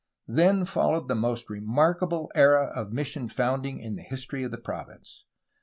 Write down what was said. Then followed the most remarkable era of mission founding in the history of the province.